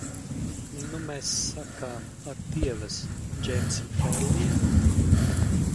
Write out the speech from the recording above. Un nu mēs sakām ardievas Džeimsam Hērlijam?